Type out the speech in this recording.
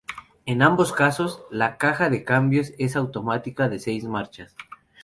En ambos casos, la caja de cambios es automática de seis marchas.